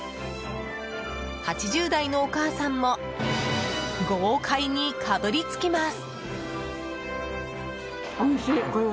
８０代のお母さんも豪快にかぶりつきます。